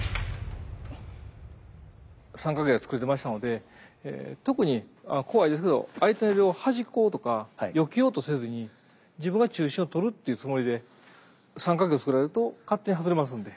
三角形がつくれてましたので特に怖いですけど相手をはじこうとかよけようとせずに自分が中心をとるっていうつもりで三角形をつくられると勝手に外れますので。